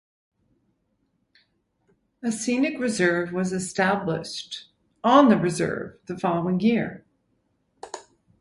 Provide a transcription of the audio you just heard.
A scenic reserve was established on the reserve the following year.